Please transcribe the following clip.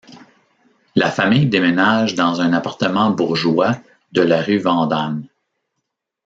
La famille déménage dans un appartement bourgeois de la rue Vandamme.